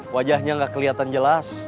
wajahnya gak keliatan jelas